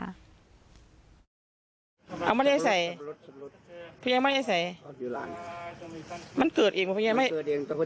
คิดว่าวันที่นี่พวกเราสั่งไม่ได้จับทีครับ